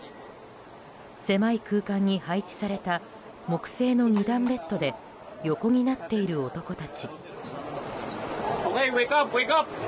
狭い空間に配置された木製の２段ベッドで横になっている男たち。